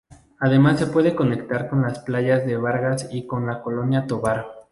Además se puede conectar con las playas de Vargas y con la Colonia Tovar.